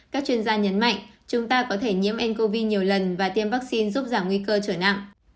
các chuyên gia nhấn mạnh chúng ta có thể nhiễm ncov nhiều lần và tiêm vaccine giúp giảm nguy cơ trở nặng